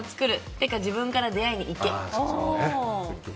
っていうか自分から出会いに行け。